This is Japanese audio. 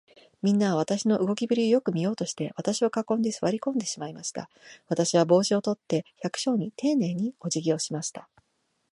みんなは、私の動きぶりをよく見ようとして、私を囲んで、坐り込んでしまいました。私は帽子を取って、百姓にていねいに、おじぎをしました。